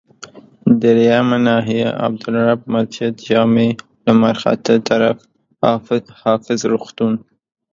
دریمه ناحيه، عبدالرب مسجدجامع لمرخاته طرف، حافظ روغتون.